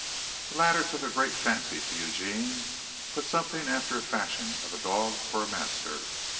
The latter took a great fancy to Eugene, but something after the fashion of a dog for a master.